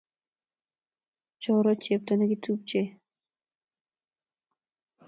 Choro chepto nekitupche